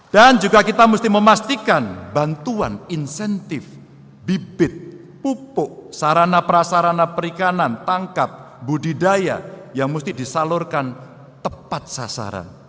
dan juga kita mesti memastikan bantuan insentif bibit pupuk sarana prasarana perikanan tangkap budidaya yang mesti disalurkan tepat sasaran